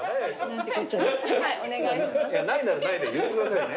いやないならないで言ってくださいね。